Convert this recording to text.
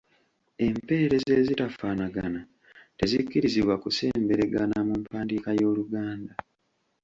Empeerezi ezitafaanagana tezikkirizibwa kusemberegana mu mpandiika y’Oluganda.